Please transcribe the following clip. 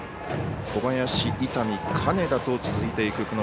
小林、伊丹、金田と続いていく